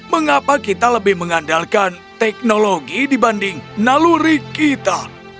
mengapa kita lebih mengandalkan teknologi dibanding naluri kita